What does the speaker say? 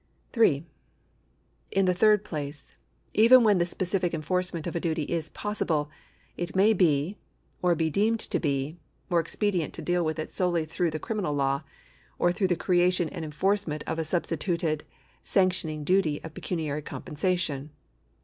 3. In the third place, even when the specific enforcement of a duty is possible, it may be, or be deemed to be, more expedient to deal with it solely through the criminal law, or through the creation and enforcement of a substituted sanc tioning duty of pecuniary compensation.